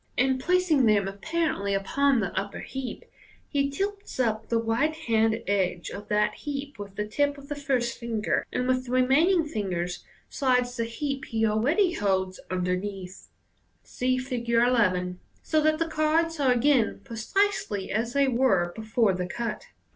In placing them apparently upon the upper heap, he tilts up the right hand edge of that heap with the tip of the first finger, and with the remaining fingers slides the heap he already holds under= neathit (see Fig. 11), so that the cards are again precisely as they were before the cut.